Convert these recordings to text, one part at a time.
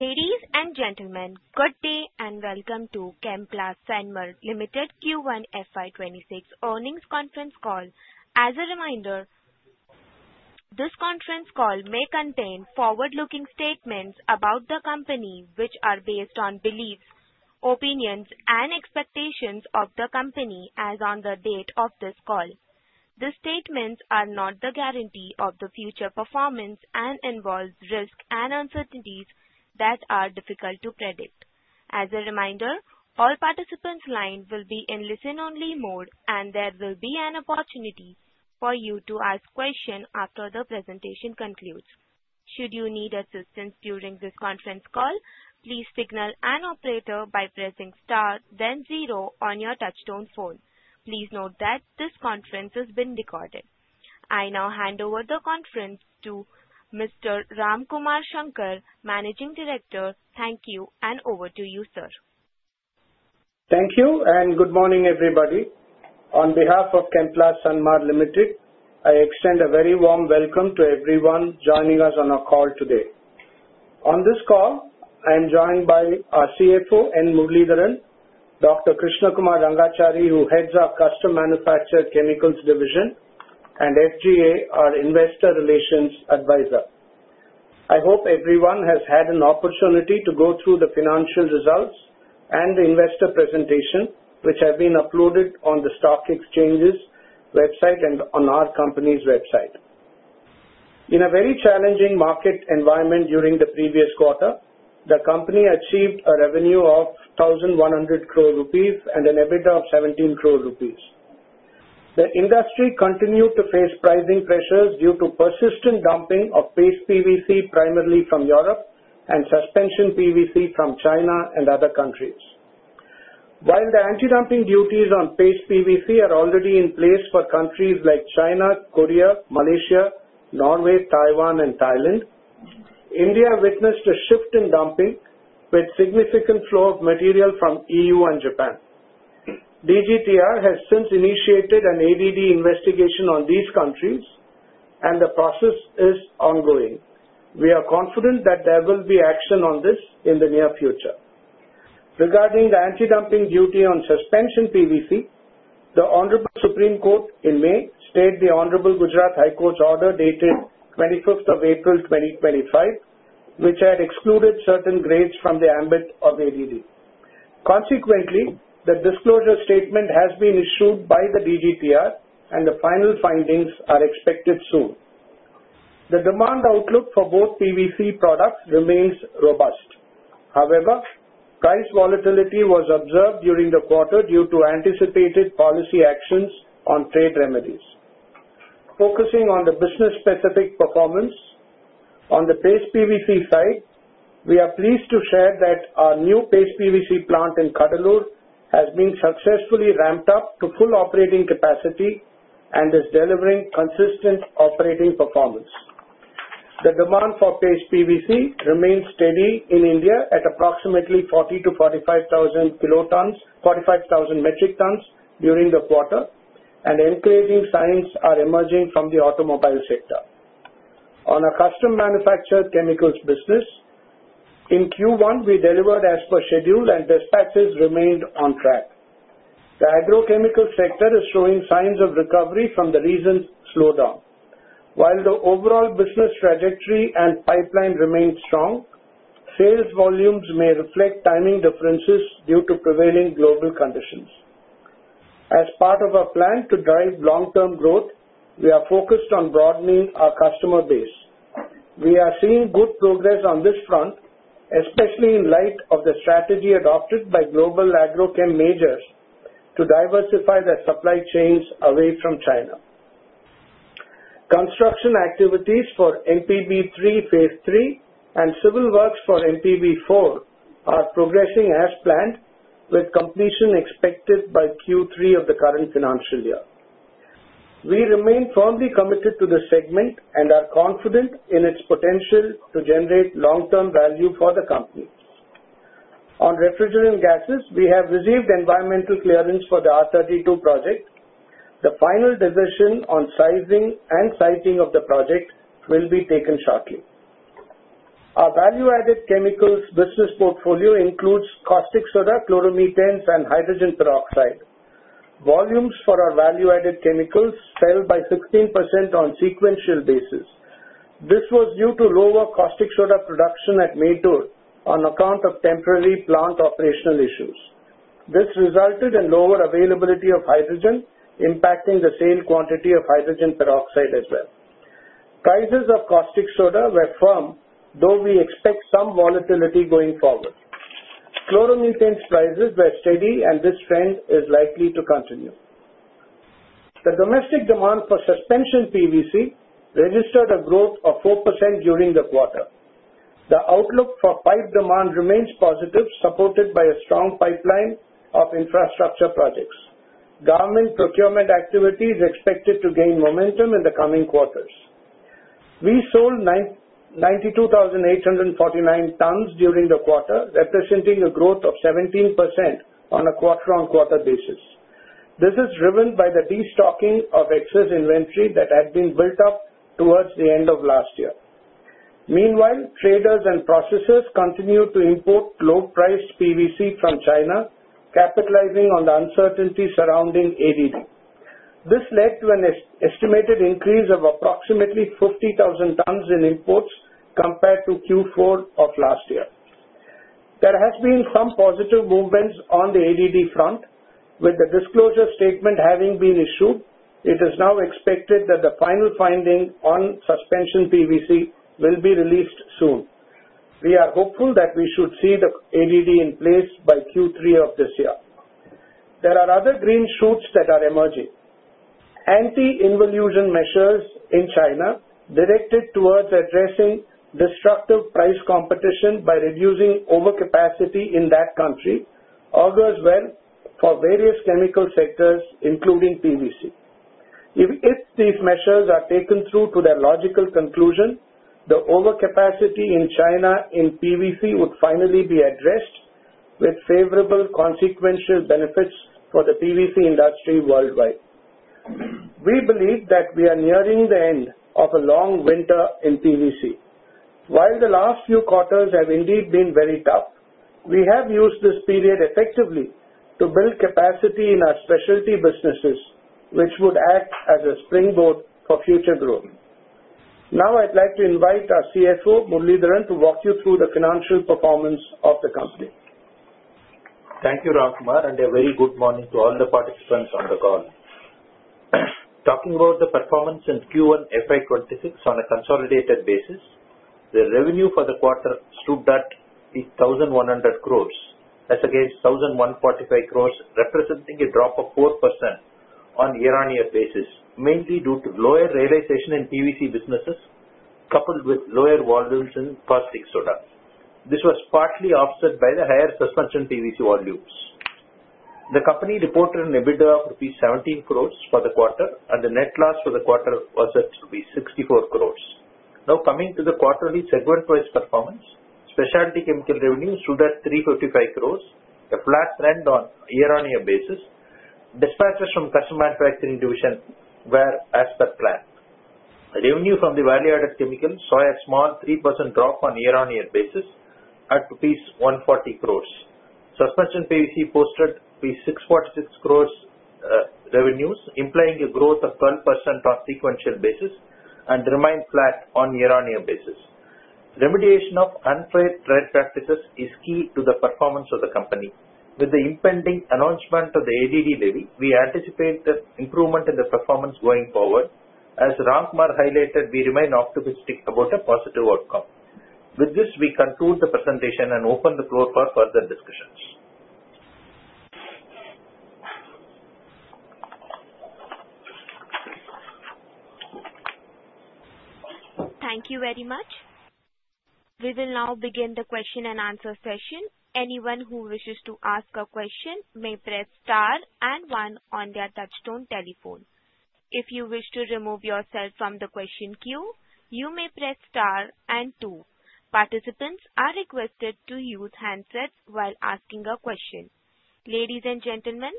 Ladies and gentlemen, good day and welcome to Chemplast Sanmar Limited Q1 FY26 Earnings Conference Call. As a reminder, this conference call may contain forward-looking statements about the company, which are based on beliefs, opinions, and expectations of the company as on the date of this call. These statements are not the guarantee of the future performance and involve risks and uncertainties that are difficult to predict. As a reminder, all participants' lines will be in listen-only mode, and there will be an opportunity for you to ask questions after the presentation concludes. Should you need assistance during this conference call, please signal an operator by pressing star, then zero on your touch-tone phone. Please note that this conference has been recorded. I now hand over the conference to Mr. Ramkumar Shankar, Managing Director. Thank you, and over to you, sir. Thank you, and good morning, everybody. On behalf of Chemplast Sanmar Limited, I extend a very warm welcome to everyone joining us on our call today. On this call, I am joined by our CFO, N. Muralidharan, Dr. Krishna Kumar Rangachari, who heads our Custom Manufactured Chemicals Division, and SGA, our Investor Relations Advisor. I hope everyone has had an opportunity to go through the financial results and the investor presentation, which have been uploaded on the stock exchange's website and on our company's website. In a very challenging market environment during the previous quarter, the company achieved a revenue of 1,100 crore rupees and an EBITDA of 17 crore rupees. The industry continued to face pricing pressures due to persistent dumping of Paste PVC, primarily from Europe, and Suspension PVC from China and other countries. While the anti-dumping duties on Paste PVC are already in place for countries like China, Korea, Malaysia, Norway, Taiwan, and Thailand, India witnessed a shift in dumping with a significant flow of material from the EU and Japan. DGTR has since initiated an ADD investigation on these countries, and the process is ongoing. We are confident that there will be action on this in the near future. Regarding the anti-dumping duty on suspension PVC, the Honorable Supreme Court, in May, stayed the Honorable Gujarat High Court's order dated 25th April 2025, which had excluded certain grades from the ambit of ADD. Consequently, the disclosure statement has been issued by the DGTR, and the final findings are expected soon. The demand outlook for both PVC products remains robust. However, price volatility was observed during the quarter due to anticipated policy actions on trade remedies. Focusing on the business-specific performance, on the Paste PVC side, we are pleased to share that our new Paste PVC plant in Cuddalore has been successfully ramped up to full operating capacity and is delivering consistent operating performance. The demand for Paste PVC remains steady in India at approximately 40,000-45,000 metric tons during the quarter, and encouraging signs are emerging from the automobile sector. On our Custom Manufactured Chemicals business, in Q1, we delivered as per schedule, and dispatches remained on track. The agrochemical sector is showing signs of recovery from the recent slowdown. While the overall business trajectory and pipeline remain strong, sales volumes may reflect timing differences due to prevailing global conditions. As part of our plan to drive long-term growth, we are focused on broadening our customer base. We are seeing good progress on this front, especially in light of the strategy adopted by global agrochem majors to diversify their supply chains away from China. Construction activities for MPB-3 phase III and civil works for MPB-4 are progressing as planned, with completion expected by Q3 of the current financial year. We remain firmly committed to the segment and are confident in its potential to generate long-term value for the company. On refrigerant gases, we have received environmental clearance for the R32 project. The final decision on sizing and siting of the project will be taken shortly. Our value-added chemicals business portfolio includes caustic soda, chloromethanes, and hydrogen peroxide. Volumes for our value-added chemicals fell by 16% on a sequential basis. This was due to lower caustic soda production at Mettur on account of temporary plant operational issues. This resulted in lower availability of hydrogen, impacting the sale quantity of hydrogen peroxide as well. Prices of caustic soda were firm, though we expect some volatility going forward. Chloromethanes prices were steady, and this trend is likely to continue. The domestic demand for suspension PVC registered a growth of 4% during the quarter. The outlook for pipe demand remains positive, supported by a strong pipeline of infrastructure projects. Government procurement activity is expected to gain momentum in the coming quarters. We sold 92,849 tons during the quarter, representing a growth of 17% on a quarter-on-quarter basis. This is driven by the destocking of excess inventory that had been built up towards the end of last year. Meanwhile, traders and processors continue to import low-priced PVC from China, capitalizing on the uncertainty surrounding ADD. This led to an estimated increase of approximately 50,000 tons in imports compared to Q4 of last year. There has been some positive movements on the ADD front. With the disclosure statement having been issued, it is now expected that the final finding on Suspension PVC will be released soon. We are hopeful that we should see the ADD in place by Q3 of this year. There are other green shoots that are emerging. Anti-Involution measures in China, directed towards addressing destructive price competition by reducing overcapacity in that country, are as well for various chemical sectors, including PVC. If these measures are taken through to their logical conclusion, the overcapacity in China in PVC would finally be addressed, with favorable consequential benefits for the PVC industry worldwide. We believe that we are nearing the end of a long winter in PVC. While the last few quarters have indeed been very tough, we have used this period effectively to build capacity in our specialty businesses, which would act as a springboard for future growth. Now, I'd like to invite our CFO, Muralidharan, to walk you through the financial performance of the company. Thank you, Ramkumar, and a very good morning to all the participants on the call. Talking about the performance in Q1 FY26 on a consolidated basis, the revenue for the quarter stood at 1,100 crores, that's against 1,145 crores, representing a drop of 4% on a year-on-year basis, mainly due to lower realization in PVC businesses coupled with lower volumes in caustic soda. This was partly offset by the higher suspension PVC volumes. The company reported an EBITDA of rupees 17 crore for the quarter, and the net loss for the quarter was at rupees 64 crore. Now, coming to the quarterly segment-wise performance, specialty chemical revenue stood at 355 crore, a flat trend on a year-on-year basis. Dispatches from Custom Manufacturing Division were as per plan. Revenue from the value-added chemical saw a small 3% drop on a year-on-year basis at rupees 140 crore. Suspension PVC posted ₹646 crore revenues, implying a growth of 12% on a sequential basis and remained flat on a year-on-year basis. Remediation of unfair trade practices is key to the performance of the company. With the impending announcement of the ADD levy, we anticipate improvement in the performance going forward. As Ramkumar highlighted, we remain optimistic about a positive outcome. With this, we conclude the presentation and open the floor for further discussions. Thank you very much. We will now begin the question-and-answer session. Anyone who wishes to ask a question may press star and one on their touch-tone telephone. If you wish to remove yourself from the question queue, you may press star and two. Participants are requested to use handsets while asking a question. Ladies and gentlemen,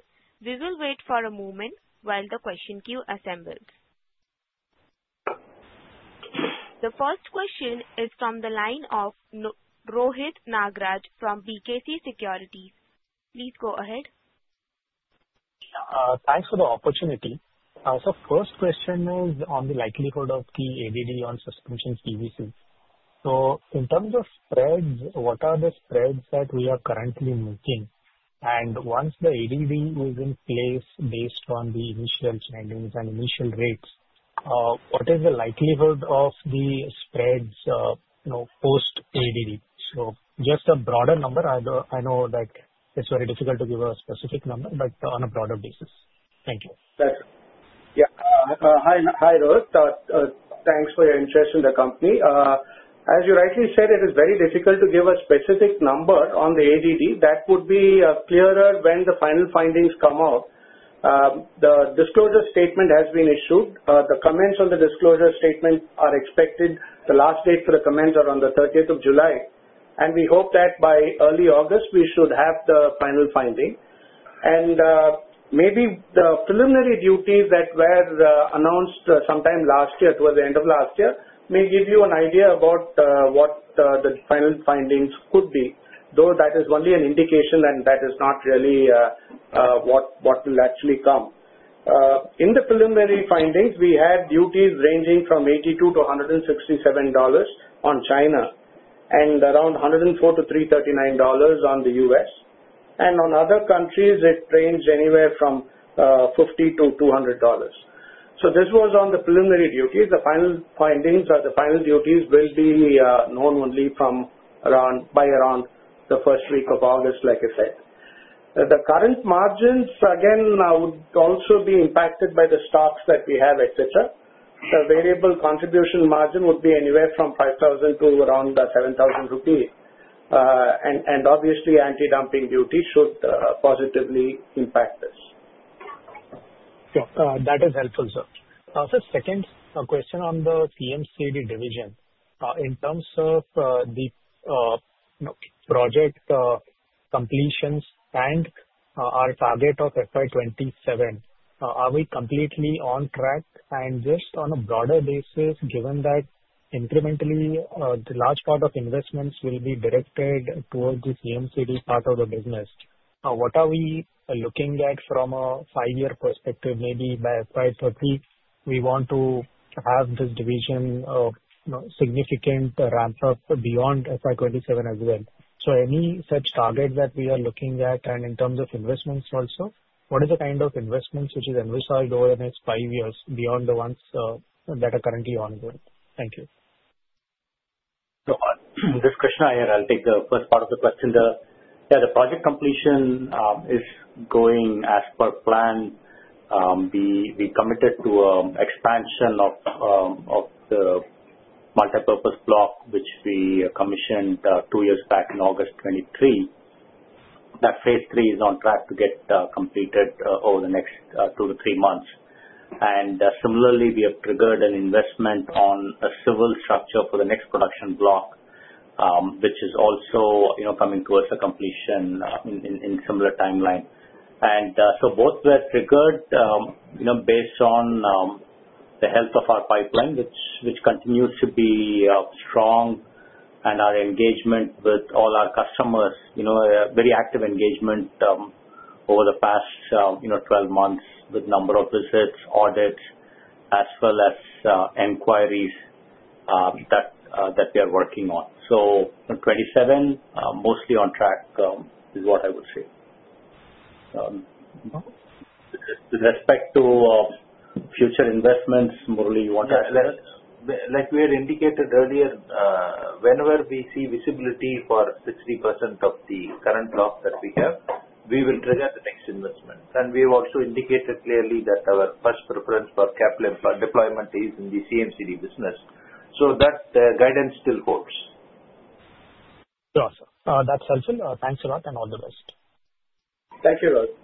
we will wait for a moment while the question queue assembles. The first question is from the line of Rohit Nagraj from B&K Securities. Please go ahead. Thanks for the opportunity. So first question is on the likelihood of the ADD on Suspension PVC. So in terms of spreads, what are the spreads that we are currently making? And once the ADD is in place based on the initial findings and initial rates, what is the likelihood of the spreads post-ADD? So just a broader number. I know that it's very difficult to give a specific number, but on a broader basis. Thank you. Yeah. Hi, Rohit. Thanks for your interest in the company. As you rightly said, it is very difficult to give a specific number on the ADD. That would be clearer when the final findings come out. The disclosure statement has been issued. The comments on the disclosure statement are expected. The last date for the comments is on the 30th of July. And we hope that by early August, we should have the final finding. And maybe the preliminary duties that were announced sometime last year towards the end of last year may give you an idea about what the final findings could be, though that is only an indication, and that is not really what will actually come. In the preliminary findings, we had duties ranging from $82-$167 on China and around $104-$339 on the U.S.. And on other countries, it ranged anywhere from $50-$200. So this was on the preliminary duties. The final findings or the final duties will be known only by around the first week of August, like I said. The current margins, again, would also be impacted by the stocks that we have, etc. The variable contribution margin would be anywhere from 5,000 to around 7,000 rupees. And obviously, anti-dumping duties should positively impact this. Sure. That is helpful, sir. Also, second question on the CMCD division. In terms of the project completions and our target of FY27, are we completely on track? And just on a broader basis, given that incrementally, a large part of investments will be directed towards the CMCD part of the business, what are we looking at from a five-year perspective? Maybe by FY30, we want to have this division significantly ramp up beyond FY27 as well. So any such targets that we are looking at? And in terms of investments also, what are the kind of investments which are additional over the next five years beyond the ones that are currently ongoing? Thank you. This question, I'll take the first part of the question. Yeah, the project completion is going as per plan. We committed to an expansion of the multipurpose block, which we commissioned two years back in August 2023. That phase III is on track to get completed over the next two to three months. And similarly, we have triggered an investment on a civil structure for the next production block, which is also coming towards a completion in a similar timeline. And so both were triggered based on the health of our pipeline, which continues to be strong, and our engagement with all our customers, very active engagement over the past 12 months with a number of visits, audits, as well as inquiries that we are working on. So 2027, mostly on track is what I would say. With respect to future investments, Murali, you want to add? Like we had indicated earlier, whenever we see visibility for 60% of the current block that we have, we will trigger the next investment. And we have also indicated clearly that our first preference for capital employment is in the CMCD business. So that guidance still holds. Awesome. That's helpful. Thanks a lot and all the best. Thank you, Rohit.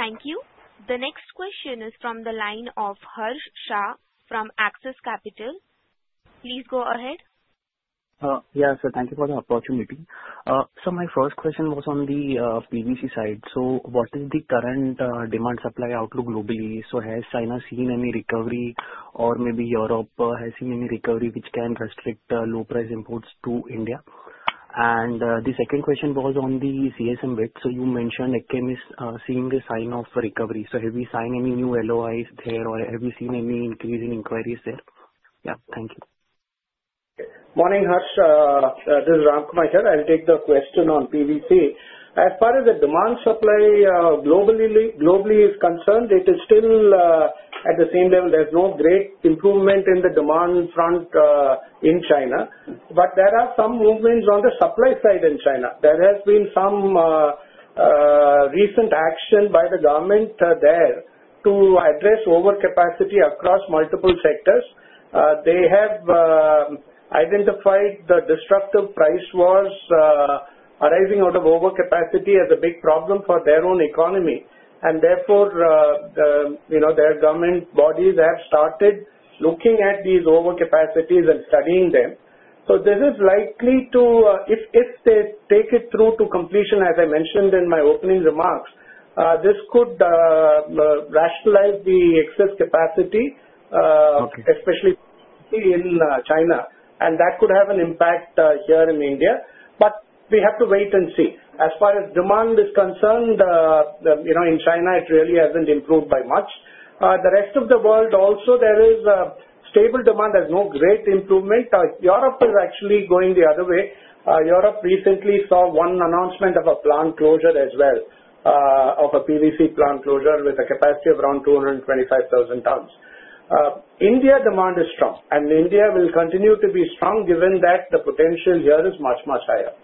Thank you. The next question is from the line of Harsh Shah from Axis Capital. Please go ahead. Yeah, sir, thank you for the opportunity. So my first question was on the PVC side. So what is the current demand-supply outlook globally? So has China seen any recovery, or maybe Europe has seen any recovery which can restrict low-price imports to India? And the second question was on the CSM bit. So you mentioned customers seeing a sign of recovery. So have we seen any new LOIs there, or have we seen any increase in inquiries there? Yeah, thank you. Morning, Harsh. This is Ramkumar here. I'll take the question on PVC. As far as the demand-supply globally is concerned, it is still at the same level. There's no great improvement in the demand front in China, but there are some movements on the supply side in China. There has been some recent action by the government there to address overcapacity across multiple sectors. They have identified the destructive price wars arising out of overcapacity as a big problem for their own economy. And therefore, their government bodies have started looking at these overcapacities and studying them. So this is likely to, if they take it through to completion, as I mentioned in my opening remarks, this could rationalize the excess capacity, especially in China. And that could have an impact here in India. But we have to wait and see. As far as demand is concerned, in China, it really hasn't improved by much. The rest of the world, also, there is stable demand. There's no great improvement. Europe is actually going the other way. Europe recently saw one announcement of a plant closure as well, of a PVC plant closure with a capacity of around 225,000 tons. India demand is strong, and India will continue to be strong given that the potential here is much, much higher.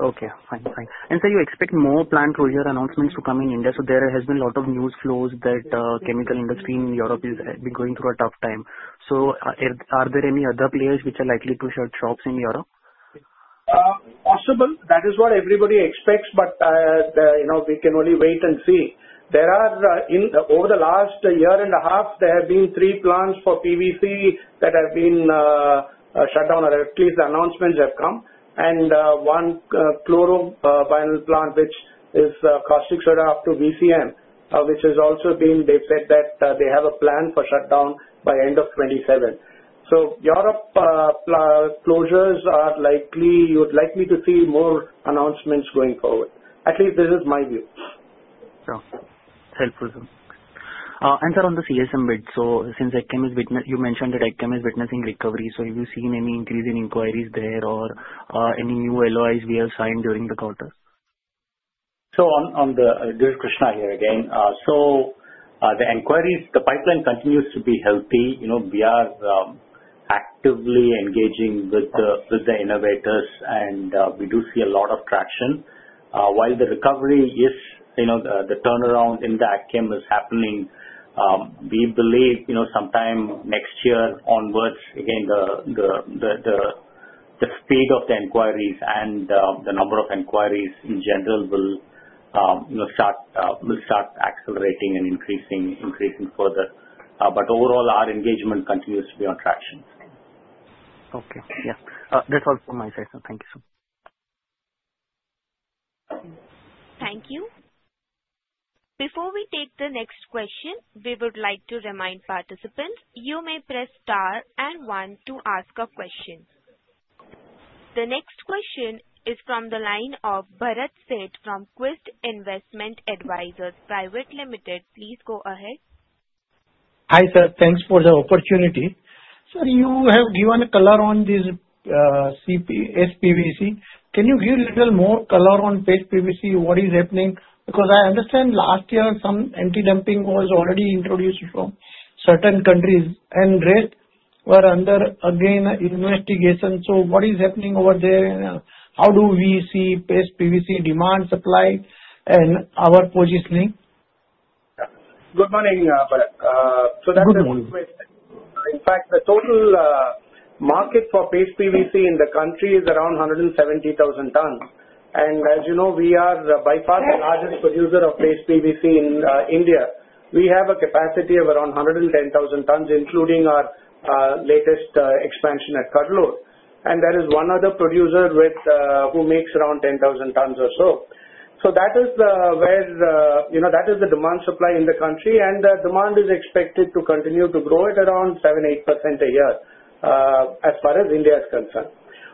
Okay. Fine. And so you expect more plant closure announcements to come in India. So there has been a lot of news flows that the chemical industry in Europe has been going through a tough time. So are there any other players which are likely to shut shops in Europe? Possible. That is what everybody expects, but we can only wait and see. Over the last year and a half, there have been three plants for PVC that have been shut down, or at least announcements have come, and one chloro vinyl plant, which is caustic soda up to VCM, which has also been. They've said that they have a plan for shutdown by end of 2027. Europe closures are likely. You're likely to see more announcements going forward. At least this is my view. Helpful. Sir, on the CSM bit, so since you mentioned that Chemplast is witnessing recovery, so have you seen any increase in inquiries there or any new LOIs we have signed during the quarter? This is Krishna here again. The inquiries, the pipeline continues to be healthy. We are actively engaging with the innovators, and we do see a lot of traction. While the recovery, yes, the turnaround in CMCD is happening. We believe sometime next year onwards, again, the speed of the inquiries and the number of inquiries in general will start accelerating and increasing further. Overall, our engagement continues to be on traction. Okay. Yeah. That's all from my side, so thank you, sir. Thank you. Before we take the next question, we would like to remind participants you may press star and one to ask a question. The next question is from the line of Bharat Sheth from Quest Investment Advisors Private Limited. Please go ahead. Hi sir, thanks for the opportunity. Sir, you have given color on this PVC. Can you give a little more color on Paste PVC? What is happening? Because I understand last year some anti-dumping was already introduced from certain countries, and rest were under again investigation. So what is happening over there? How do we see Paste PVC demand, supply, and our positioning? Good morning, Bharat. So that's a good question. In fact, the total market for Paste PVC in the country is around 170,000 tons. And as you know, we are by far the largest producer of Paste PVC in India. We have a capacity of around 110,000 tons, including our latest expansion at Cuddalore. And there is one other producer who makes around 10,000 tons or so. So that is where that is the demand-supply in the country, and the demand is expected to continue to grow at around 7%, 8% a year as far as India is concerned.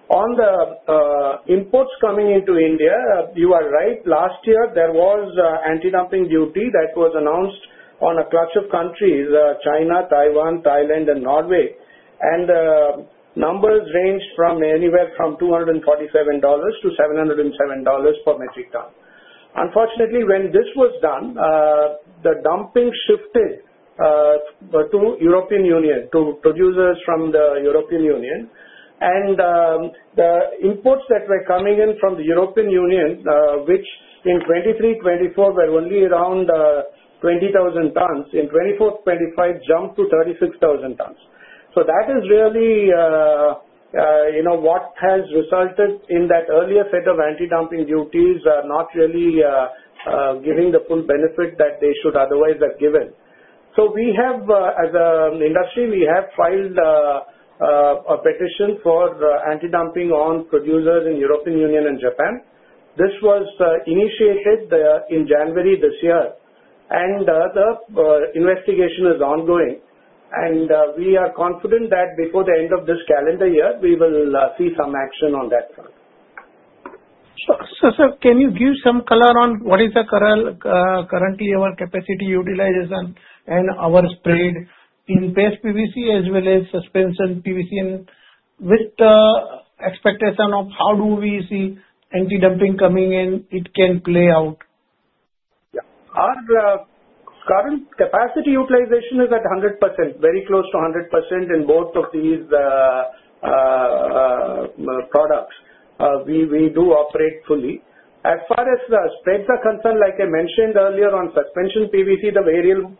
On the imports coming into India, you are right. Last year, there was anti-dumping duty that was announced on a clutch of countries: China, Taiwan, Thailand, and Norway. And the numbers ranged from anywhere from $247-$707 per metric ton. Unfortunately, when this was done, the dumping shifted to the European Union, to producers from the European Union, and the imports that were coming in from the European Union, which in 2023, 2024 were only around 20,000 tons, in 2024, 2025 jumped to 36,000 tons, so that is really what has resulted in that earlier set of anti-dumping duties not really giving the full benefit that they should otherwise have given, so as an industry, we have filed a petition for anti-dumping on producers in the European Union and Japan. This was initiated in January this year, and the investigation is ongoing, and we are confident that before the end of this calendar year, we will see some action on that front. So, sir, can you give some color on what is currently our capacity utilization and our spread in Paste PVC as well as suspension PVC, with the expectation of how do we see anti-dumping coming in, it can play out? Yeah. Our current capacity utilization is at 100%, very close to 100% in both of these products. We do operate fully. As far as spreads are concerned, like I mentioned earlier on suspension PVC, the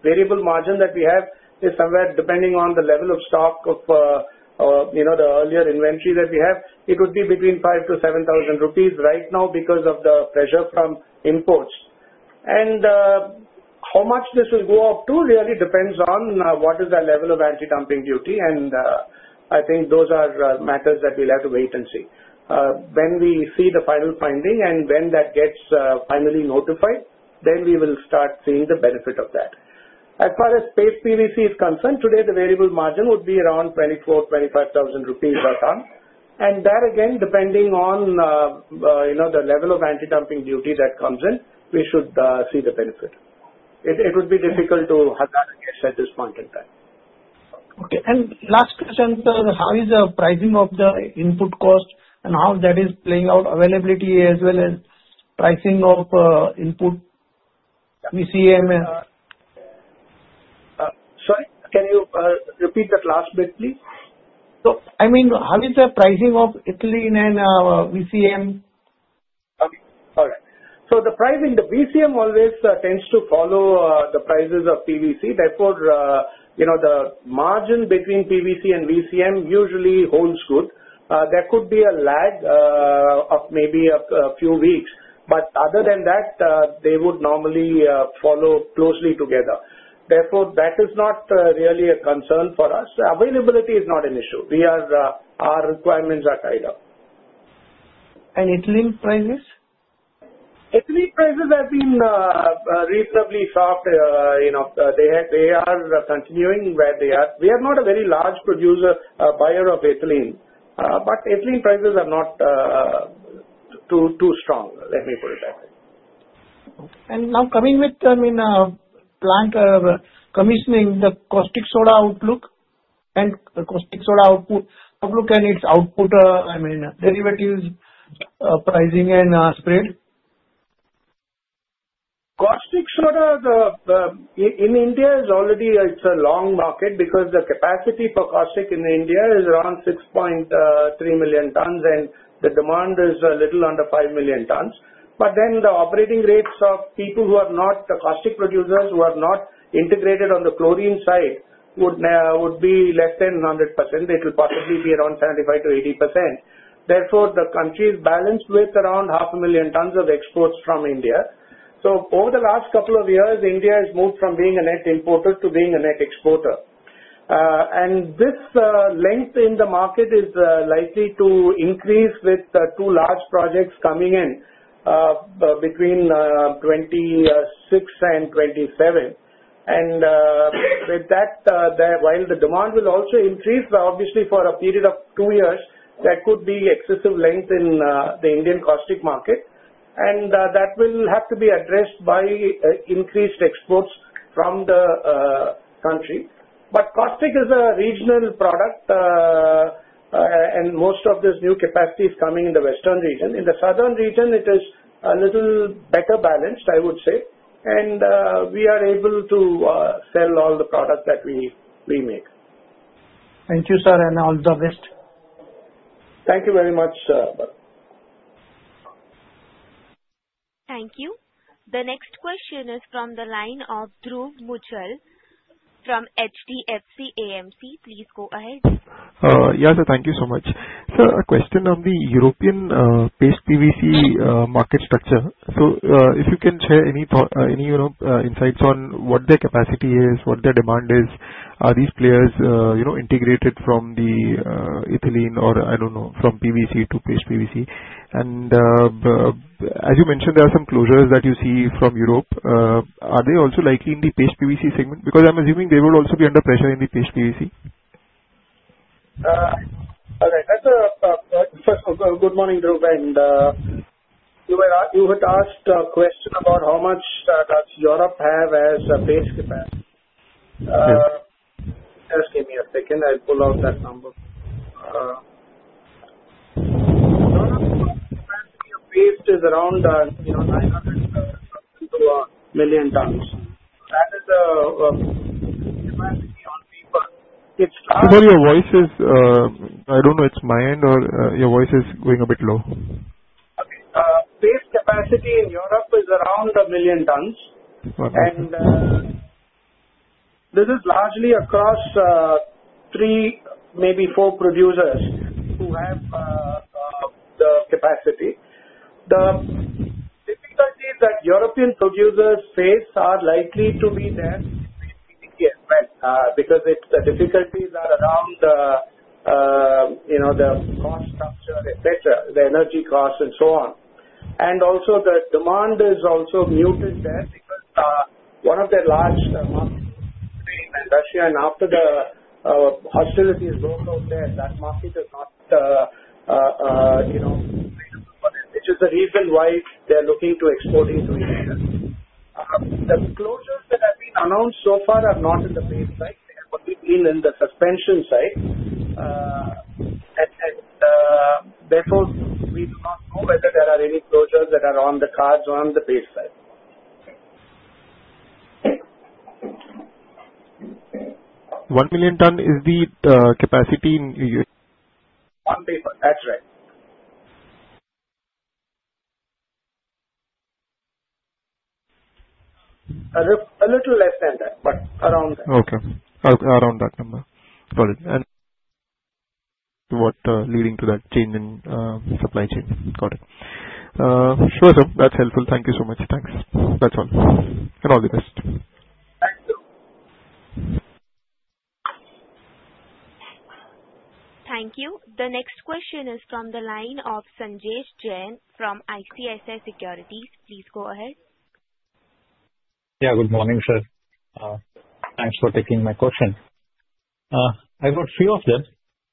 variable margin that we have is somewhere depending on the level of stock of the earlier inventory that we have. It would be between 5,000 to 7,000 rupees right now because of the pressure from imports. And how much this will go up to really depends on what is the level of anti-dumping duty. And I think those are matters that we'll have to wait and see. When we see the final finding and when that gets finally notified, then we will start seeing the benefit of that. As far as Paste PVC is concerned, today the variable margin would be around 24,000 rupees to INR 25,000 per ton. That again, depending on the level of anti-dumping duty that comes in, we should see the benefit. It would be difficult to hazard a guess at this point in time. Okay. And last question, sir, how is the pricing of the input cost and how that is playing out, availability as well as pricing of input VCM? Sorry? Can you repeat that last bit, please? So I mean, how is the pricing of ethylene and VCM? Okay. All right, so the pricing, the VCM always tends to follow the prices of PVC. Therefore, the margin between PVC and VCM usually holds good. There could be a lag of maybe a few weeks, but other than that, they would normally follow closely together. Therefore, that is not really a concern for us. Availability is not an issue. Our requirements are tied up. Ethylene prices? Ethylene prices have been reasonably soft. They are continuing where they are. We are not a very large buyer of Ethylene, but Ethylene prices are not too strong. Let me put it that way. Now coming to plant commissioning, the caustic soda outlook and its derivatives, pricing, and spread? Caustic soda in India is already a long market because the capacity for caustic in India is around 6.3 million tons, and the demand is a little under 5 million tons. But then the operating rates of people who are not the caustic producers who are not integrated on the chlorine side would be less than 100%. It will possibly be around 75%-80%. Therefore, the country is balanced with around 500,000 tons of exports from India. So over the last couple of years, India has moved from being a net importer to being a net exporter. And this length in the market is likely to increase with two large projects coming in between 2026 and 2027. And with that, while the demand will also increase, obviously for a period of two years, there could be excessive length in the Indian caustic market. That will have to be addressed by increased exports from the country. But caustic is a regional product, and most of this new capacity is coming in the western region. In the southern region, it is a little better balanced, I would say. We are able to sell all the products that we make. Thank you, sir, and all the best. Thank you very much, Bharat. Thank you. The next question is from the line of Dhruv Muchhal from HDFC AMC. Please go ahead. Yeah, sir, thank you so much. Sir, a question on the European Paste PVC market structure. So if you can share any insights on what their capacity is, what their demand is, are these players integrated from the Ethylene or, I don't know, from PVC to Paste PVC? And as you mentioned, there are some closures that you see from Europe. Are they also likely in the Paste PVC segment? Because I'm assuming they would also be under pressure in the Paste PVC. All right. Good morning, Dhruv, and you had asked a question about how much does Europe have as a Paste capacity. Just give me a second. I'll pull out that number. Paste is around 900 million tons. That is the capacity on paper. I'm sorry, your voice is. I don't know if it's my end or your voice is going a bit low. Okay. Paste capacity in Europe is around a million tons. This is largely across three, maybe four producers who have the capacity. The difficulties that European producers face are likely to be there in Paste PVC as well because the difficulties are around the cost structure, etc., the energy costs, and so on. The demand is also muted there because one of their large markets is Ukraine and Russia. After the hostilities broke out there, that market is not available for them, which is the reason why they're looking to export into India. The closures that have been announced so far are not in the Paste side. They have only been in the suspension side. Therefore, we do not know whether there are any closures that are on the cards or on the Paste side. One million tons is the capacity in. On paper. That's right. A little less than that, but around that. Okay. Around that number. Got it. And what's leading to that change in supply chain? Got it. Sure, sir. That's helpful. Thank you so much. Thanks. That's all. And all the best. Thank you. Thank you. The next question is from the line of Sanjesh Jain from ICICI Securities. Please go ahead. Yeah, good morning, sir. Thanks for taking my question. I've got a few of them.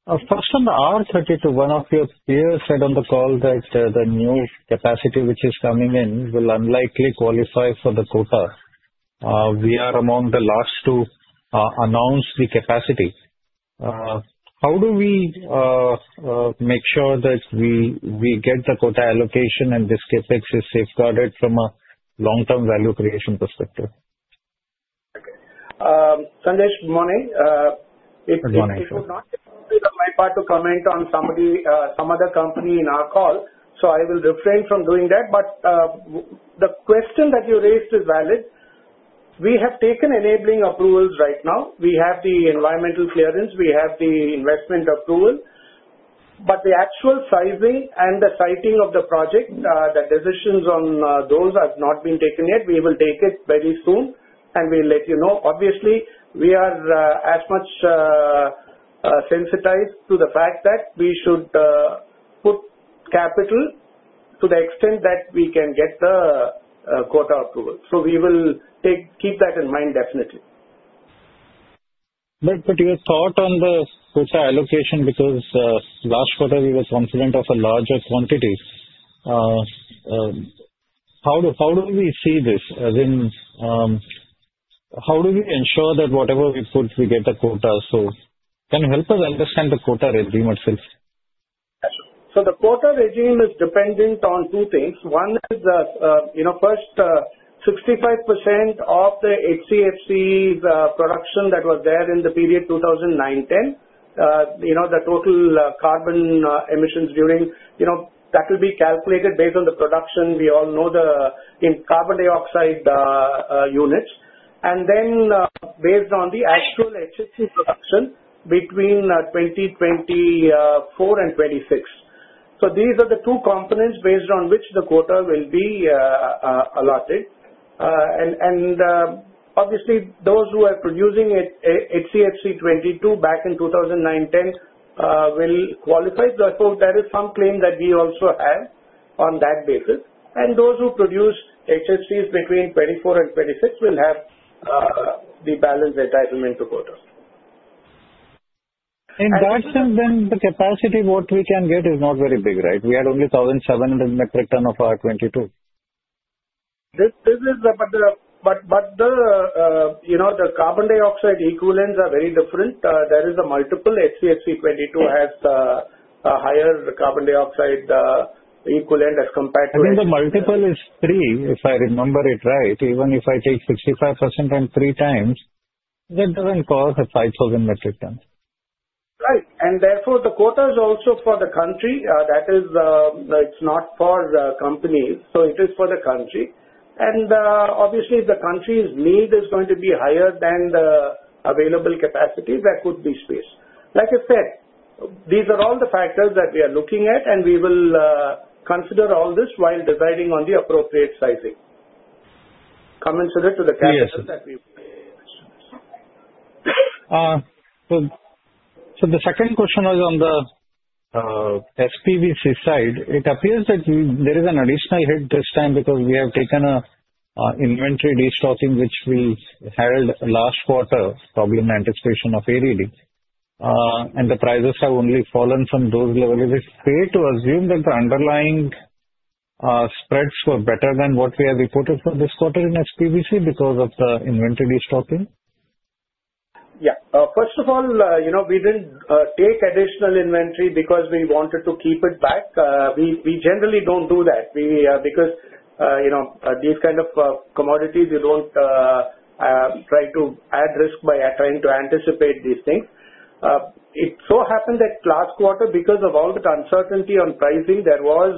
First, on the R32, one of your peers said on the call that the new capacity which is coming in will unlikely qualify for the quota. We are among the last to announce the capacity. How do we make sure that we get the quota allocation and this CapEx is safeguarded from a long-term value creation perspective? Okay. Sanjesh, good morning. Good morning. It would not be my part to comment on some other company in our call, so I will refrain from doing that. But the question that you raised is valid. We have taken enabling approvals right now. We have the environmental clearance. We have the investment approval. But the actual sizing and the siting of the project, the decisions on those have not been taken yet. We will take it very soon, and we'll let you know. Obviously, we are as much sensitized to the fact that we should put capital to the extent that we can get the quota approval. So we will keep that in mind, definitely. But your thought on the quota allocation, because last quarter, we were confident of a larger quantity. How do we see this? How do we ensure that whatever we put, we get the quota? So can you help us understand the quota regime itself? The quota regime is dependent on two things. One is, first, 65% of the HCFC production that was there in the period 2009-2010, the total carbon emissions during, that will be calculated based on the production. We all know the carbon dioxide units. Then based on the actual HCFC production between 2024 and 2026. These are the two components based on which the quota will be allotted. Obviously, those who are producing HCFC-22 back in 2009-2010 will qualify. Therefore, there is some claim that we also have on that basis. Those who produce HCFCs between 2024 and 2026 will have the balance entitlement to quota. In that sense, then the capacity, what we can get is not very big, right? We had only 1,700 metric tons of R-22. But the carbon dioxide equivalents are very different. There is a multiple. HCFC-22 has a higher carbon dioxide equivalent as compared to. Even the multiple is three, if I remember it right. Even if I take 65% and three times, that doesn't cause a 5,000 metric tons. Right. And therefore, the quota is also for the country. That is, it's not for companies. So it is for the country. And obviously, the country's need is going to be higher than the available capacity that could be sized. Like I said, these are all the factors that we are looking at, and we will consider all this while deciding on the appropriate sizing, come and submit to the calculation that we will. The second question was on the SPVC side. It appears that there is an additional hit this time because we have taken an inventory restocking, which we held last quarter, probably in anticipation of ADD. The prices have only fallen from those levels. Is it fair to assume that the underlying spreads were better than what we have reported for this quarter in SPVC because of the inventory restocking? Yeah. First of all, we didn't take additional inventory because we wanted to keep it back. We generally don't do that because these kinds of commodities, you don't try to add risk by trying to anticipate these things. It so happened that last quarter, because of all the uncertainty on pricing, there was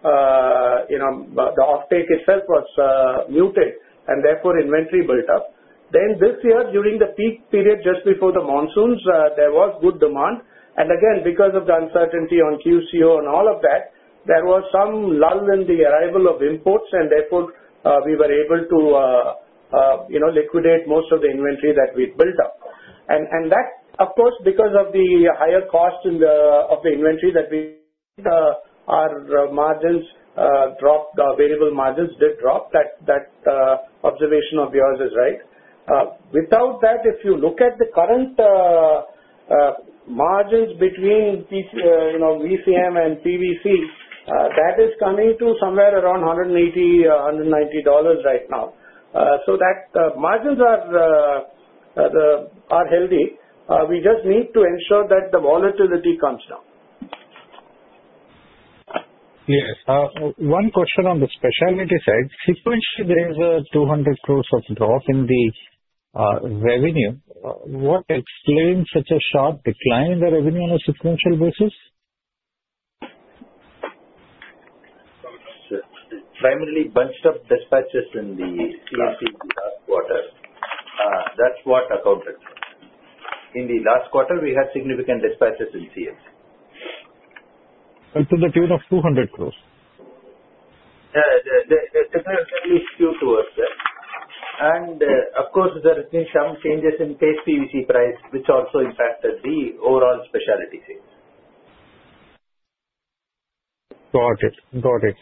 the offtake itself was muted, and therefore, inventory built up. Then this year, during the peak period just before the monsoons, there was good demand. And again, because of the uncertainty on QCO and all of that, there was some lull in the arrival of imports. And therefore, we were able to liquidate most of the inventory that we built up. And that, of course, because of the higher cost of the inventory that we did, our variable margins did drop. That observation of yours is right. Without that, if you look at the current margins between VCM and PVC, that is coming to somewhere around $180-$190 right now. So the margins are healthy. We just need to ensure that the volatility comes down. Yes. One question on the specialty side. Sequentially, there is a 200 crores of drop in the revenue. What explains such a sharp decline in the revenue on a sequential basis? Primarily bunched up dispatches in the CMCD last quarter. That's what accounted for it. In the last quarter, we had significant dispatches in CMC. To the tune of 200 crore? Yeah. It's definitely skewed towards that. And of course, there have been some changes in Paste PVC price, which also impacted the overall specialty sales. Got it. Got it.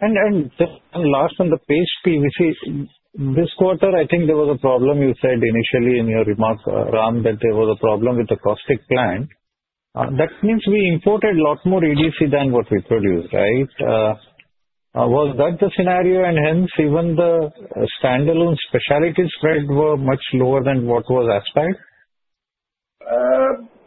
And just last on the Paste PVC, this quarter, I think there was a problem you said initially in your remarks, Ram, that there was a problem with the caustic plant. That means we imported a lot more EDC than what we produced, right? Was that the scenario? And hence, even the standalone specialty spreads were much lower than what was expected?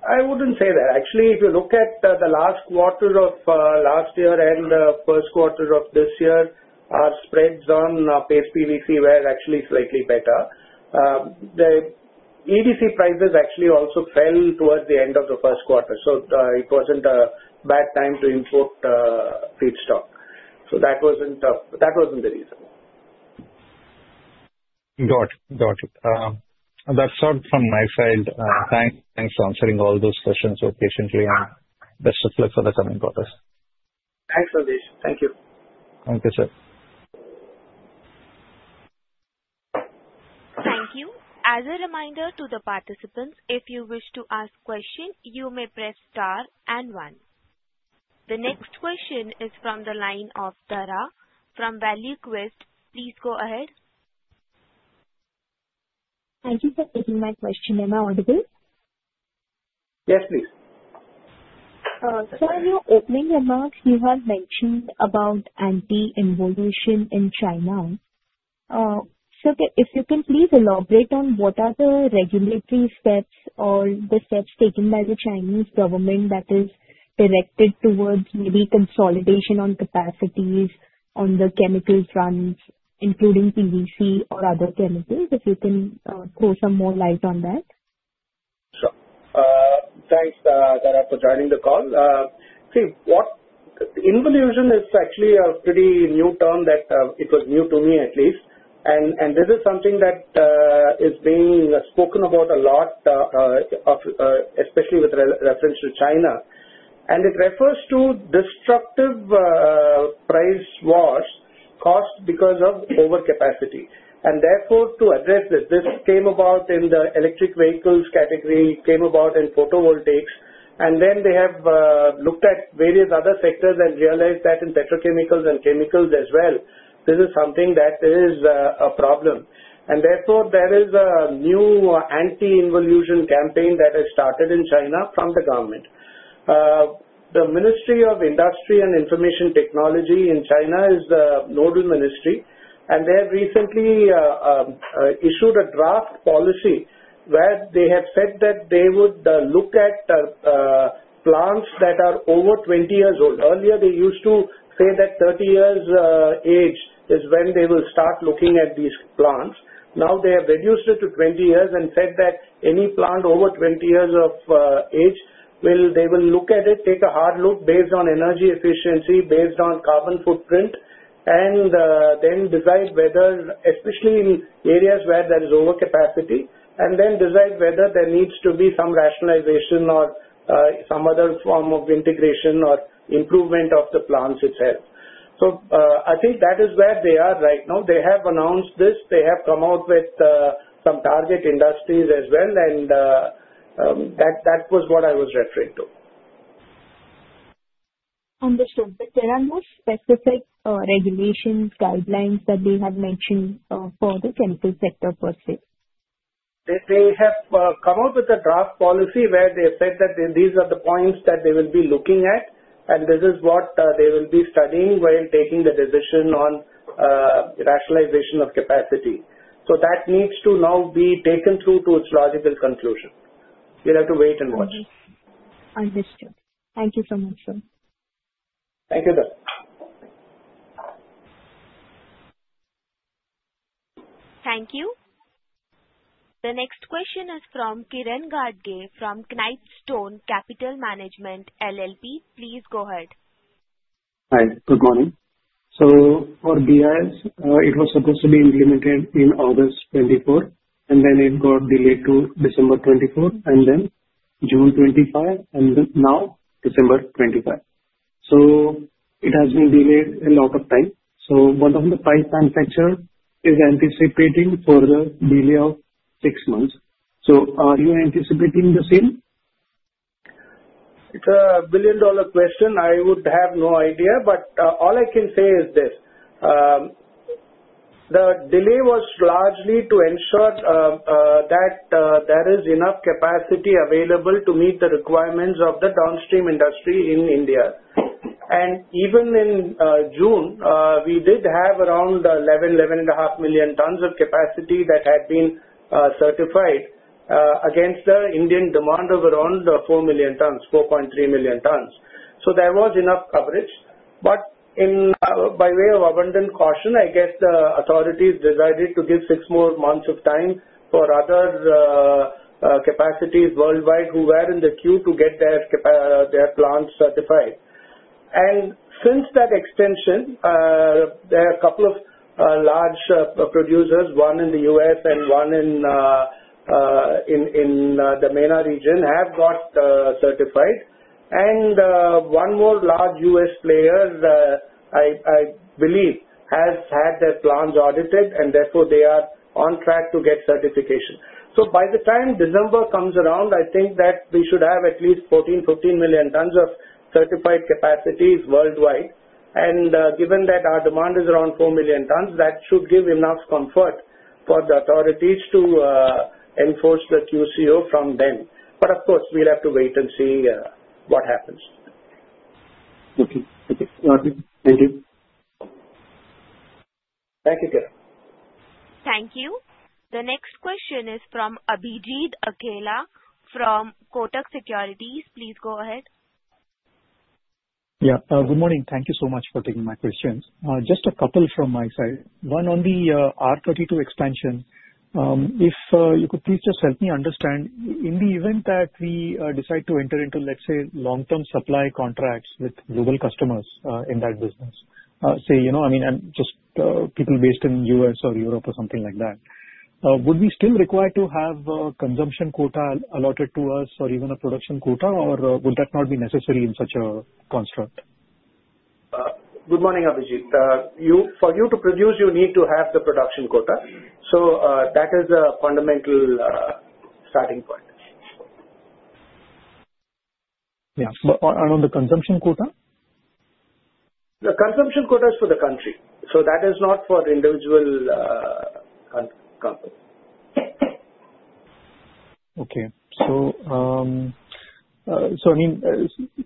I wouldn't say that. Actually, if you look at the last quarter of last year and the Q1 of this year, our spreads on Paste PVC were actually slightly better. The EDC prices actually also fell towards the end of the Q1. So it wasn't a bad time to import feedstock. So that wasn't the reason. Got it. Got it. That's all from my side. Thanks for answering all those questions so patiently and best of luck for the coming quarters. Thanks, Sanjesh. Thank you. Thank you, sir. Thank you. As a reminder to the participants, if you wish to ask a question, you may press star and one. The next question is from the line of Dhara from ValueQuest. Please go ahead. Thank you for taking my question. Am I audible? Yes, please. So in your opening remarks, you had mentioned about anti-involution in China. So if you can please elaborate on what are the regulatory steps or the steps taken by the Chinese government that is directed towards maybe consolidation on capacities on the chemical fronts, including PVC or other chemicals? If you can throw some more light on that. Sure. Thanks, Dhara, for joining the call. See, involution is actually a pretty new term that it was new to me, at least. And this is something that is being spoken about a lot, especially with reference to China. And it refers to destructive price wars, cost because of overcapacity. And therefore, to address this, this came about in the electric vehicles category, came about in photovoltaics. And then they have looked at various other sectors and realized that in petrochemicals and chemicals as well, this is something that is a problem. And therefore, there is a new anti-involution campaign that has started in China from the government. The Ministry of Industry and Information Technology in China is the nodal ministry. And they have recently issued a draft policy where they have said that they would look at plants that are over 20 years old. Earlier, they used to say that 30 years of age is when they will start looking at these plants. Now, they have reduced it to 20 years and said that any plant over 20 years of age, they will look at it, take a hard look based on energy efficiency, based on carbon footprint, and then decide whether, especially in areas where there is overcapacity, and then decide whether there needs to be some rationalization or some other form of integration or improvement of the plants itself. So I think that is where they are right now. They have announced this. They have come out with some target industries as well. And that was what I was referring to. Understood. But there are no specific regulation guidelines that they have mentioned for the chemical sector, per se? They have come up with a draft policy where they have said that these are the points that they will be looking at. And this is what they will be studying while taking the decision on rationalization of capacity. So that needs to now be taken through to its logical conclusion. We'll have to wait and watch. Understood. Thank you so much, sir. Thank you, sir. Thank you. The next question is from Kiran Gadge from Knightstone Capital Management LLP. Please go ahead. Hi. Good morning. So for BIS, it was supposed to be implemented in August 2024, and then it got delayed to December 2024, and then June 2025, and now December 2025. So it has been delayed a lot of time. So one of the five manufacturers is anticipating further delay of six months. So are you anticipating the same? It's a billion-dollar question. I would have no idea, but all I can say is this. The delay was largely to ensure that there is enough capacity available to meet the requirements of the downstream industry in India, and even in June, we did have around 11, 11 and a half million tons of capacity that had been certified against the Indian demand of around four million tons, 4.3 million tons, so there was enough coverage. But by way of abundant caution, I guess the authorities decided to give six more months of time for other capacities worldwide who were in the queue to get their plants certified, and since that extension, there are a couple of large producers, one in the U.S. and one in the MENA region, have got certified. One more large U.S. player, I believe, has had their plants audited, and therefore, they are on track to get certification. By the time December comes around, I think that we should have at least 14, 15 million tons of certified capacities worldwide. Given that our demand is around four million tons, that should give enough comfort for the authorities to enforce the QCO from then. Of course, we'll have to wait and see what happens. Okay. Okay. Got it. Thank you. Thank you, sir. Thank you. The next question is from Abhijit Akella from Kotak Securities. Please go ahead. Yeah. Good morning. Thank you so much for taking my questions. Just a couple from my side. One on the R-32 expansion. If you could please just help me understand, in the event that we decide to enter into, let's say, long-term supply contracts with global customers in that business, say, I mean, just people based in the U.S. or Europe or something like that, would we still require to have a consumption quota allotted to us or even a production quota, or would that not be necessary in such a construct? Good morning, Abhijit. For you to produce, you need to have the production quota. So that is a fundamental starting point. Yeah. But on the consumption quota? The consumption quota is for the country. So that is not for individual company. Okay. So I mean,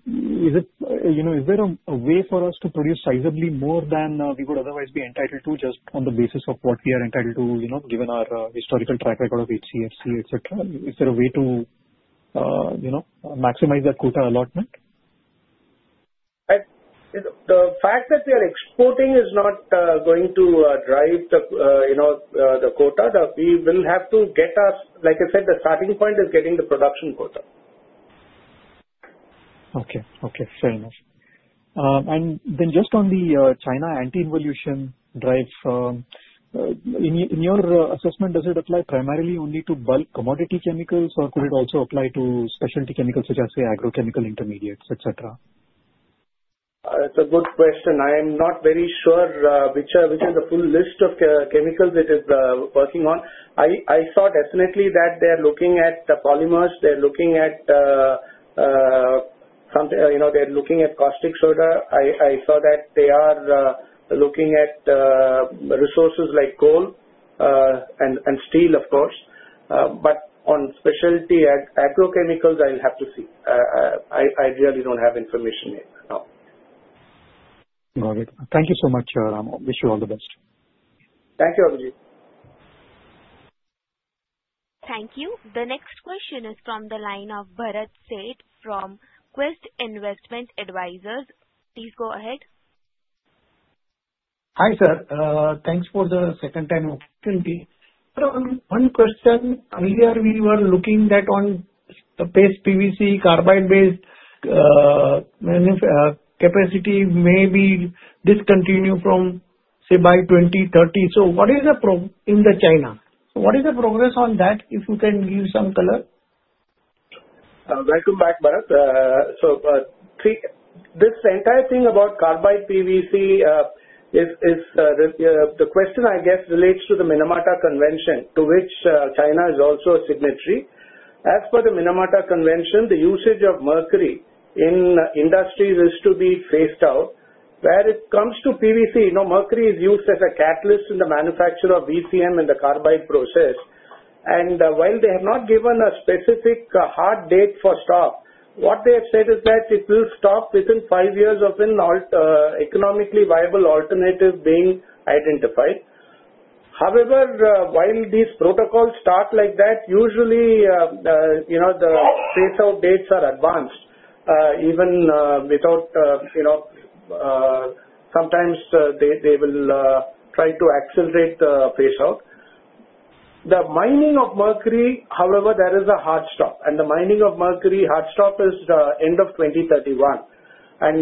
is there a way for us to produce sizably more than we would otherwise be entitled to just on the basis of what we are entitled to, given our historical track record of HCFC, etc.? Is there a way to maximize that quota allotment? The fact that we are exporting is not going to drive the quota. We will have to get us, like I said, the starting point is getting the production quota. Okay. Okay. Fair enough. And then just on the China anti-involution drive, in your assessment, does it apply primarily only to bulk commodity chemicals, or could it also apply to specialty chemicals such as, say, agrochemical intermediates, etc.? It's a good question. I am not very sure which is the full list of chemicals it is working on. I saw definitely that they are looking at the polymers. They're looking at something. They're looking at caustic soda. I saw that they are looking at resources like coal and steel, of course. But on specialty agrochemicals, I'll have to see. I really don't have information yet. Got it. Thank you so much, sir. I wish you all the best. Thank you, Abhijit. Thank you. The next question is from the line of Bharat Sheth from Quest Investment Advisors. Please go ahead. Hi, sir. Thanks for the second-time opportunity. One question. Earlier, we were looking that on the Paste PVC carbide-based capacity may be discontinued from, say, by 2030. So what is the intent in China? So what is the progress on that, if you can give some color? Welcome back, Bharat. So this entire thing about carbide PVC, the question, I guess, relates to the Minamata Convention, to which China is also a signatory. As for the Minamata Convention, the usage of mercury in industries is to be phased out. Where it comes to PVC, mercury is used as a catalyst in the manufacture of VCM in the carbide process. And while they have not given a specific hard date for stop, what they have said is that it will stop within five years of an economically viable alternative being identified. However, while these protocols start like that, usually the phase-out dates are advanced. Even without sometimes they will try to accelerate the phase-out. The mining of mercury, however, there is a hard stop. And the mining of mercury hard stop is the end of 2031.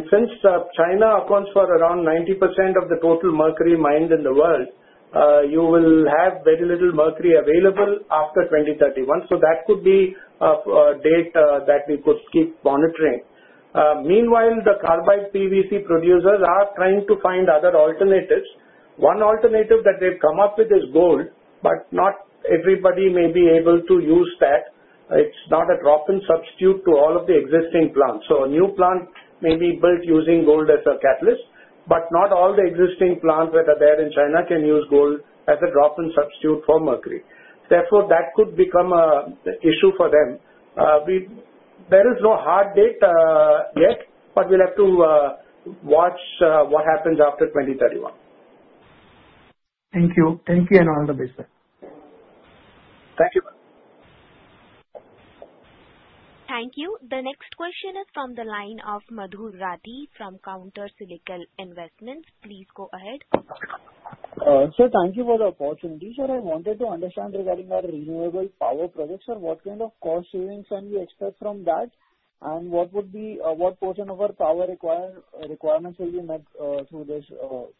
Since China accounts for around 90% of the total mercury mined in the world, you will have very little mercury available after 2031. That could be a date that we could keep monitoring. Meanwhile, the carbide PVC producers are trying to find other alternatives. One alternative that they've come up with is gold, but not everybody may be able to use that. It's not a drop-in substitute to all of the existing plants. A new plant may be built using gold as a catalyst, but not all the existing plants that are there in China can use gold as a drop-in substitute for mercury. Therefore, that could become an issue for them. There is no hard date yet, but we'll have to watch what happens after 2031. Thank you. Thank you and all the best, sir. Thank you. Thank you. The next question is from the line of Madhur Rathi from Counter Cyclical Investments. Please go ahead. Sir, thank you for the opportunity. Sir, I wanted to understand regarding our renewable power projects. Sir, what kind of cost savings can we expect from that, and what portion of our power requirements will be met through this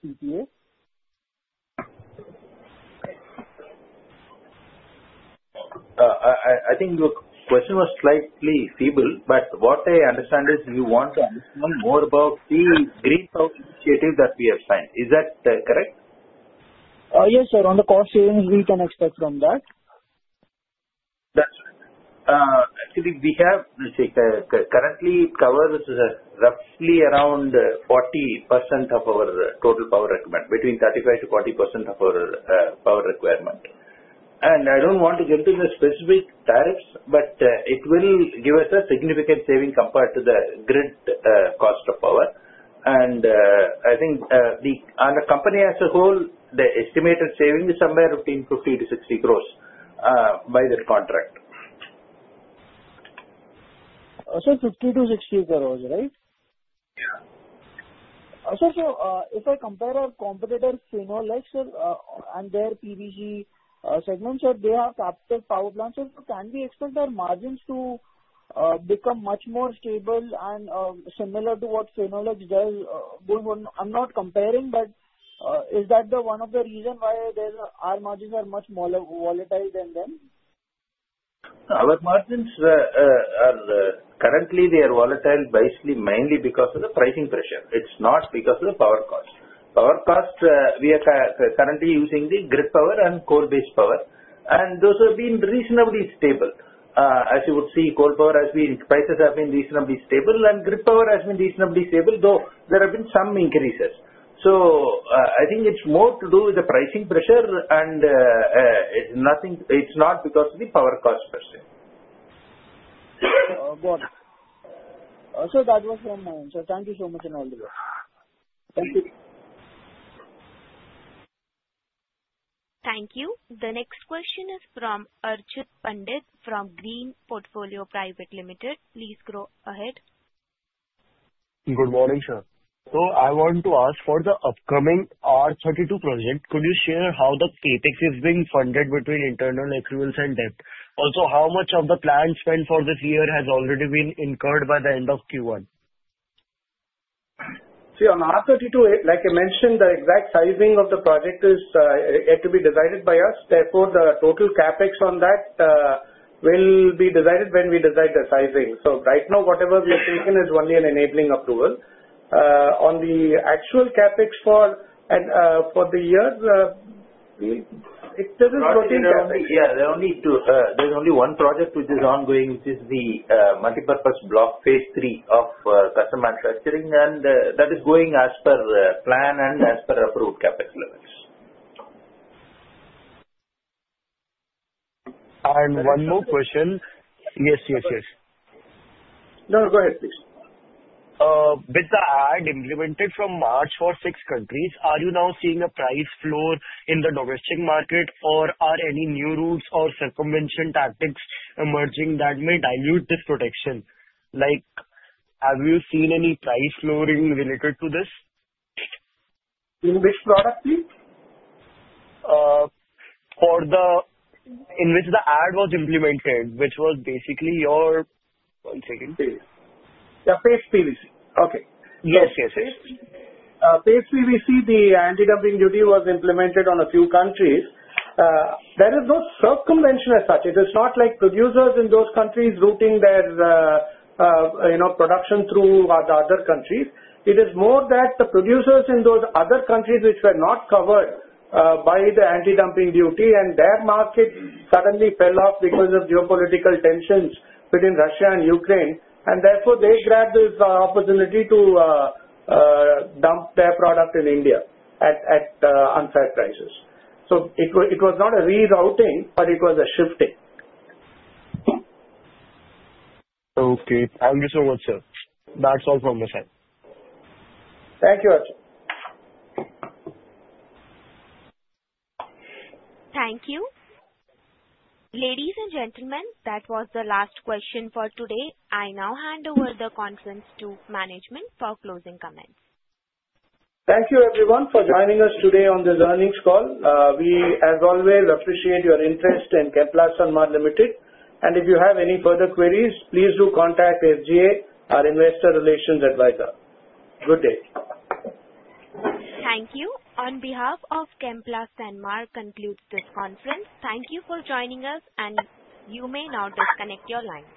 PPA? I think your question was slightly feeble, but what I understand is you want to understand more about the Green Power Initiative that we have signed. Is that correct? Yes, sir. On the cost savings, we can expect from that. That's right. Actually, we have currently covered roughly around 40% of our total power requirement, between 35%-40% of our power requirement. And I don't want to get into the specific tariffs, but it will give us a significant saving compared to the grid cost of power. And I think on the company as a whole, the estimated saving is somewhere between 50-60 crore by this contract. Sir, 50-60 crore, right? Yeah. Sir, if I compare our competitors, Finolex and their PVC segment, sir, they have captive power plants. Sir, can we expect their margins to become much more stable and similar to what Finolex does? I'm not comparing, but is that one of the reasons why our margins are much more volatile than them? Our margins are currently volatile basically mainly because of the pricing pressure. It's not because of the power cost. Power cost, we are currently using the grid power and coal-based power. And those have been reasonably stable. As you would see, coal power prices have been reasonably stable, and grid power has been reasonably stable, though there have been some increases. So I think it's more to do with the pricing pressure, and it's not because of the power cost per se. Got it. Sir, that was from my end. Sir, thank you so much and all the best. Thank you. Thank you. The next question is from Archit Pandit from Green Portfolio Private Limited. Please go ahead. Good morning, sir. I want to ask for the upcoming R32 project. Could you share how the CapEx is being funded between internal accruals and debt? Also, how much of the planned spend for this year has already been incurred by the end of Q1? See, on R-32, like I mentioned, the exact sizing of the project is yet to be decided by us. Therefore, the total CapEx on that will be decided when we decide the sizing. So right now, whatever we have taken is only an enabling approval. On the actual CapEx for the year, it doesn't protect us. Yeah, there's only one project which is ongoing, which is the multipurpose block phase three of custom manufacturing, and that is going as per plan and as per approved CapEx levels. One more question. Yes, yes, yes. No, go ahead, please. With the ADD implemented from March for six countries, are you now seeing a price floor in the domestic market, or are any new rules or circumvention tactics emerging that may dilute this protection? Have you seen any price floor related to this? In which product, please? For the year in which the ADD was implemented, which was basically FY 21. Yeah, paste PVC. Okay. Yes, yes, yes. Paste PVC, the anti-dumping duty was implemented on a few countries. There is no circumvention as such. It is not like producers in those countries routing their production through other countries. It is more that the producers in those other countries, which were not covered by the anti-dumping duty, and their market suddenly fell off because of geopolitical tensions between Russia and Ukraine, and therefore, they grabbed this opportunity to dump their product in India at unfair prices, so it was not a rerouting, but it was a shifting. Okay. Thank you so much, sir. That's all from my side. Thank you, Archit. Thank you. Ladies and gentlemen, that was the last question for today. I now hand over the conference to management for closing comments. Thank you, everyone, for joining us today on this learning call. We, as always, appreciate your interest in Chemplast Sanmar Limited. And if you have any further queries, please do contact SGA, our investor relations advisor. Good day. Thank you. On behalf of Chemplast Sanmar, this concludes this conference. Thank you for joining us, and you may now disconnect your line.